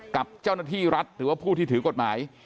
กับเจ้าหน้าที่รัฐหรือว่าผู้ที่ถือกฎหมาย